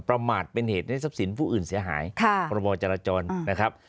ประมาทเป็นเหตุให้ทรัพย์สินผู้อื่นเสียหายพรบจรจรนะครับ